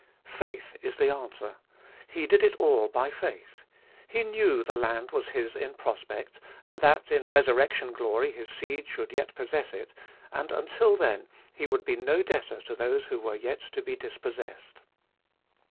FAITH is the answer. He did it all by faith. He knew the land was his in prospect, and that in resurrection glory his seed should yet possess it, and until then he would be no debtor to those who were yet to be dispossessed.